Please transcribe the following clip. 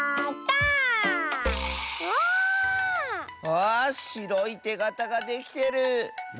わしろいてがたができてる！